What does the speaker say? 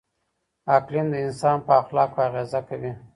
اقلیم د انسان په اخلاقو اغېزه کوي.